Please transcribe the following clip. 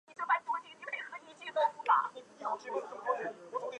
圣玛利亚号的吨位和尺寸并没有留下任何历史记录。